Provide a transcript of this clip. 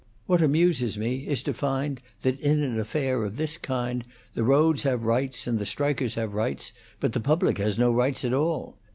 What amuses me is to find that in an affair of this kind the roads have rights and the strikers have rights, but the public has no rights at all.